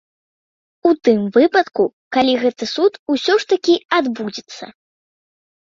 У тым выпадку, калі гэты суд усё ж такі адбудзецца.